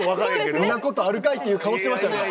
んなことあるかいっていう顔してましたよね。